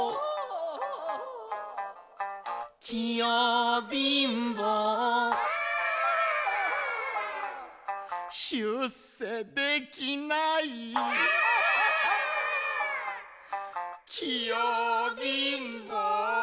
「器用貧乏」「しゅっせできない」「きよびんぼ」